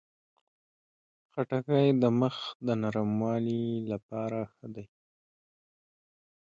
خټکی د مخ د نرموالي لپاره ښه دی.